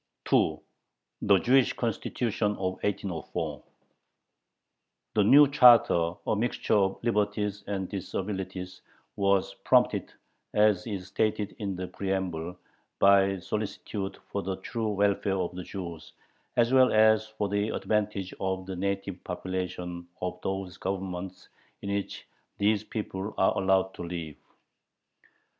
THE "JEWISH CONSTITUTION" OF 1804 The new charter, a mixture of liberties and disabilities, was prompted, as is stated in the preamble, "by solicitude for the true welfare of the Jews," as well as for "the advantage of the native population of those Governments in which these people are allowed to live."